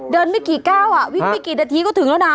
ไม่กี่ก้าววิ่งไม่กี่นาทีก็ถึงแล้วนะ